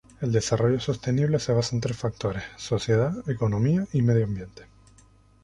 El desarrollo sostenible se basa en tres factores: sociedad, economía y medio ambiente.